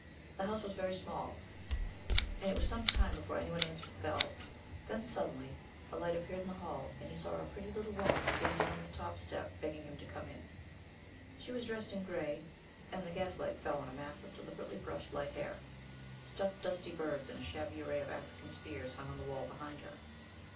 The house was very small, and it was some time before any one answered the bell. Then, suddenly, a light appeared in the hall, and he saw a pretty little woman standing on the top step begging him to come in. She was dressed in grey, and the gaslight fell on a mass of deliberately brushed light hair. Stuffed, dusty birds, and a shabby array of African spears, hung on the wall behind her.